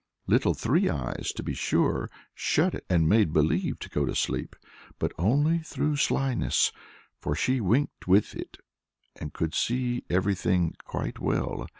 Little Three Eyes, to be sure, shut it, and made believe to go to sleep, but only through slyness; for she winked with it, and could see everything quite well.